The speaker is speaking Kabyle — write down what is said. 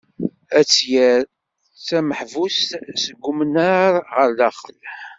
Ad tt-yerr d tameḥbust seg umnar ɣer daxel.